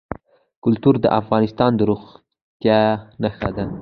کلتور د افغانستان د زرغونتیا نښه ده.